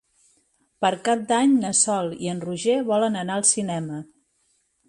Per Cap d'Any na Sol i en Roger volen anar al cinema.